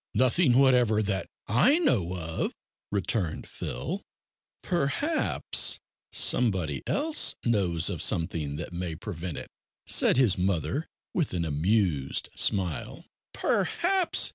"Nothing whatever, that I know of," returned Phil. "Perhaps somebody else knows of something that may prevent it," said his mother with an amused smile. "Perhaps!"